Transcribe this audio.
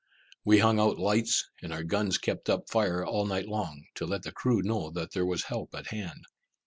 We hung out lights, and our guns kept up a fire all night long, to let the crew know that there was help at hand.